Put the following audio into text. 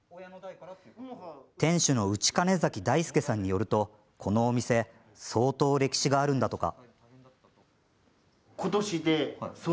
店主の内金崎大祐さんによるとこのお店相当、歴史があるんだとか。